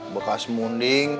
bekas munding lah